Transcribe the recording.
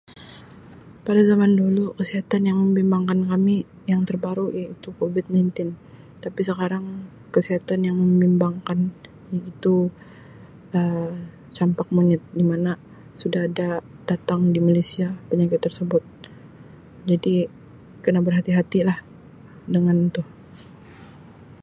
Pada zaman dulu kesihatan yang membimbangkan kami yang terbaru iaitu Covid nineteen tapi sekarang kesihatan yang membimbangkan iaitu Um campak monyet di mana sudah ada datang di Malaysia penyakit tersebut jadi kena berhati-hati lah dengan tu.